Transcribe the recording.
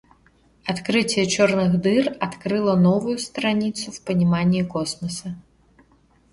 Открытие черных дыр открыло новую страницу в понимании космоса.